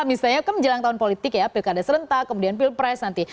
misalnya kan menjelang tahun politik ya pilkada serentak kemudian pilpres nanti